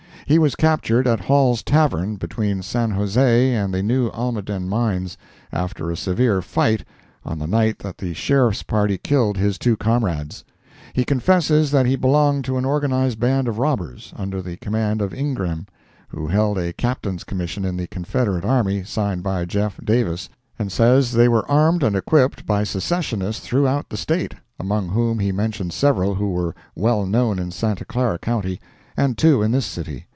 He was captured at Hall's Tavern, between San Jose and the New Almaden mines, after a severe fight, on the night that the Sheriff's party killed his two comrades. He confesses that he belonged to an organized band of robbers, under the command of Ingram, who held a Captain's commission in the Confederate army, signed by Jeff. Davis, and says they were armed and equipped by Secessionists throughout the State, among whom he mentioned several who are well known in Santa Clara county, and two in this city.